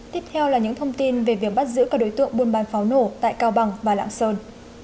tiếp theo là những thông tin về việc bắt giữ các đối tượng buôn bán pháo nổ tại cao bằng và lạng sơn